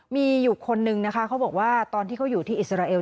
มีอยู่คนนึงนะคะเขาบอกว่าตอนที่เขาอยู่ที่อิสราเอล